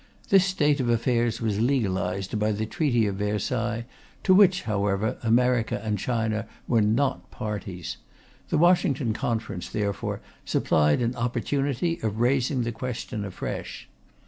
This state of affairs was legalized by the Treaty of Versailles, to which, however, America and China were not parties. The Washington Conference, therefore, supplied an opportunity of raising the question afresh.